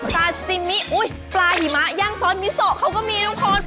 ซาซิมิอุ๊ยปลาหิมะย่างซอสมิโซเขาก็มีทุกคน